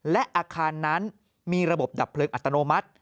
และอาคารนั้นมีระบบดับเพลิงอัตโนมัติ